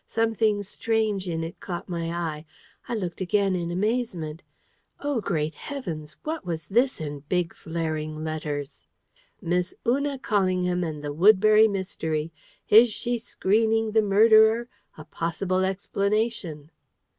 Something strange in it caught my eye. I looked again in amazement. Oh, great heavens! what was this in big flaring letters? "MISS UNA CALLINGHAM AND THE WOODBURY MYSTERY! Is SHE SCREENING THE MURDERER? A POSSIBLE EXPLANATION!"